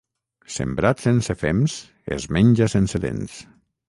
Sembrat sense fems es menja sense dents.